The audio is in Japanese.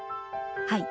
はい。